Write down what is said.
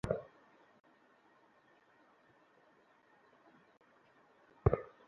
নাল্লা, কী হয়েছিল সেদিন?